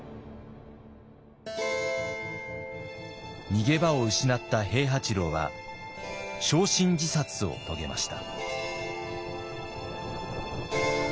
逃げ場を失った平八郎は焼身自殺を遂げました。